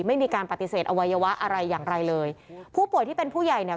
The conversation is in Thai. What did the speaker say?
ไม่มีการปฏิเสธอวัยวะอะไรอย่างไรเลยผู้ป่วยที่เป็นผู้ใหญ่เนี่ย